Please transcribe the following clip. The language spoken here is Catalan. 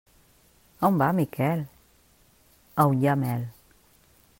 A on va Miquel? A on hi ha mel.